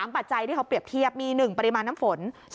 ปัจจัยที่เขาเปรียบเทียบมี๑ปริมาณน้ำฝน